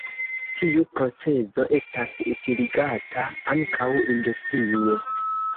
Tiu procezo estas utiligata ankaŭ industrie.